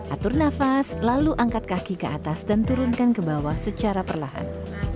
atur nafas lalu angkat kaki ke atas dan turunkan ke bawah secara perlahan